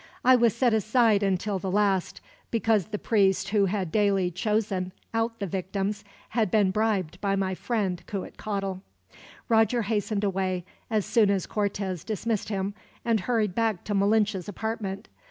I was set aside until the last, because the priest who had daily chosen out the victims had been bribed by my friend Cuitcatl." Roger hastened away, as soon as Cortez dismissed him, and hurried back to Malinche's apartment.